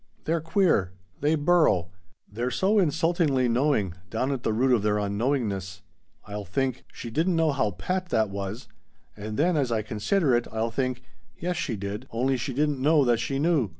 They're queer. They burrow. They're so insultingly knowing, down at the root of their unknowingness. I'll think 'She didn't know how "pat" that was' and then as I consider it I'll think 'Yes, she did, only she didn't know that she knew.'